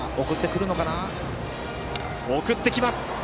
送ってきます！